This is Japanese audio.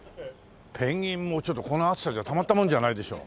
ペンギンもちょっとこの暑さじゃたまったもんじゃないでしょう。